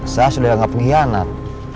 saya sudah gak penghianat